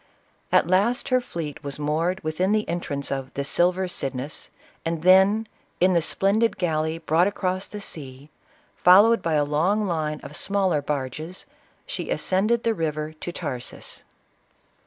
At last her fleet was moored within the entrance of " the silver Cydnus," — and then, in the splendid galley brought across the sea, fol lowed by a long line of smaller barges, she ascended the river to Tarsus.